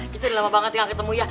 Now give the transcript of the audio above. kita udah lama banget ya gak ketemu ya